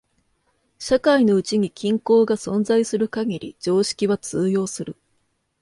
社会のうちに均衡が存在する限り常識は通用する。